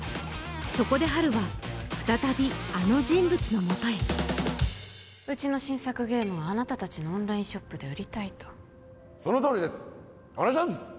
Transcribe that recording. そこでハルはふたたびあの人物のもとへうちの新作ゲームをあなた達のオンラインショップで売りたいとそのとおりですお願いします！